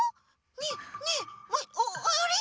ねえねえあっあれ？